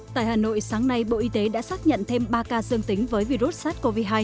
tại hà nội sáng nay bộ y tế đã xác nhận thêm ba ca dương tính với virus sars cov hai